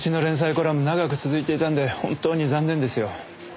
コラム長く続いていたんで本当に残念ですよ。